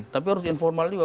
tapi harus informal juga